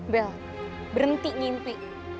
bel berhenti ngimpi